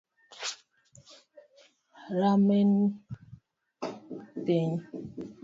Rameny piny